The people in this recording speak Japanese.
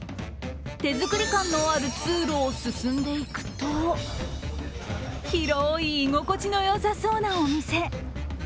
手作り感のある通路を進んでいくと、広い居心地のよさそうなお店。